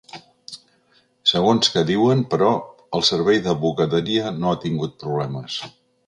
Segons que diuen, però, el servei de bugaderia no ha tingut problemes.